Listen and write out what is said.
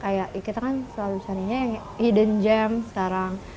kayak kita kan selalu carinya yang hidden gem sekarang